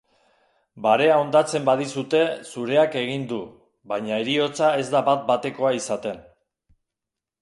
Barea hondatzen badizute zureak egin du, baina heriotza ez da bat-batekoa izaten.